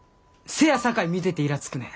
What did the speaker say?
せやさかい見てていらつくねん。